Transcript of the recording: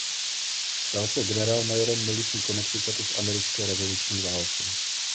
Stal se generálmajorem milicí Connecticutu v americké revoluční válce.